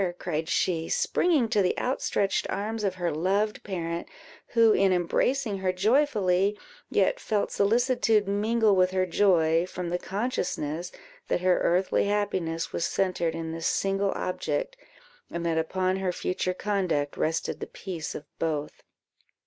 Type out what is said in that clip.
cried she, springing to the outstretched arms of her loved parent, who, in embracing her joyfully, yet felt solicitude mingle with her joy, from the consciousness that her earthly happiness was centred in this single object, and that upon her future conduct rested the peace of both.